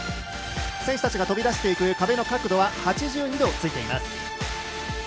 選手たちがとび出していく壁の角度は８２度着いています。